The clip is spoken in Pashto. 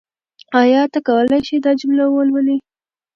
آیا ته کولای شې دا جمله ولولې؟